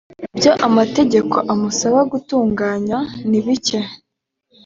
ibyo amategeko amusaba gutunganya nibike